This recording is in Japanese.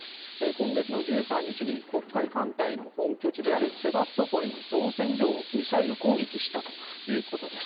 今月１３日に黒海艦隊の本拠地であるセバストポリの造船所をミサイル攻撃したということです。